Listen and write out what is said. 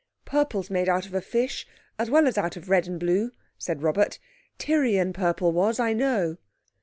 "Purple's made out of a fish, as well as out of red and blue," said Robert. "Tyrian purple was, I know."